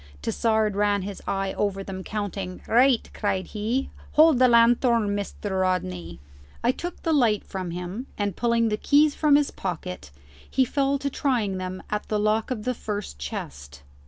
Tassard ran his eye over them, counting. "Right!" cried he; "hold the lanthorn, Mr. Rodney." I took the light from him, and, pulling the keys from his pocket, he fell to trying them at the lock of the first chest.